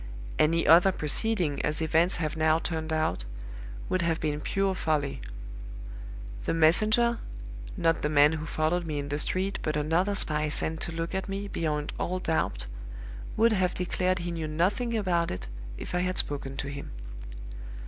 Any other proceeding, as events have now turned out, would have been pure folly. The messenger (not the man who followed me in the street, but another spy sent to look at me, beyond all doubt) would have declared he knew nothing about it, if I had spoken to him.